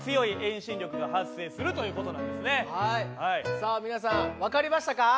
さあ皆さん分かりましたか？